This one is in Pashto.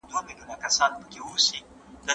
زه وخت نه نيسم!.